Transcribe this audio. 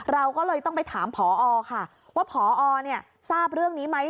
เราก็เลยต้องไปถามพอค่ะว่าพอทราบเรื่องนี้ไหม